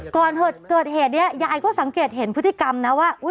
ก่อนเกิดเหตุนี้ยายก็สังเกตเห็นพฤติกรรมนะว่า